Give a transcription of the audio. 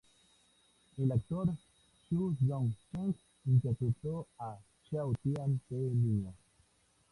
El actor Zhu You Cheng interpretó a Shao Tian de niño.